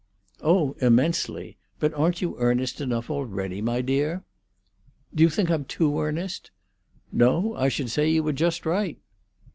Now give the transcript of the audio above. "Oh, immensely. But aren't you earnest enough already, my dear?" "Do you think I'm too earnest?" "No; I should say you were just right."